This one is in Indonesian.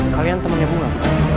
kalian temannya bunga